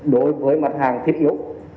đối với mặt hàng thiết yếu